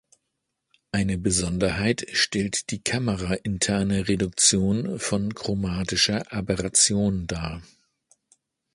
Eine Besonderheit stellt die Kamera-interne Reduktion von chromatischer Aberration dar.